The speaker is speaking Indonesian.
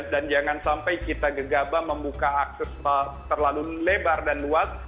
dan jangan sampai kita gegabah membuka akses terlalu lebar dan luas